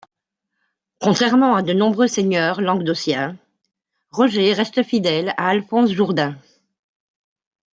Contrairement à de nombreux seigneurs languedociens, Roger reste fidèle à Alphonse Jourdain.